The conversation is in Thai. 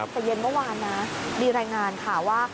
แต่เย็นเมื่อวานนะมีรายงานข่าวว่า